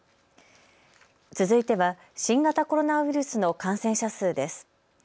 続いては新型コロナウイルスの感染者数です。